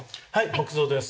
木造です。